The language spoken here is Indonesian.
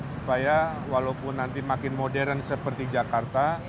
supaya walaupun nanti makin modern seperti jakarta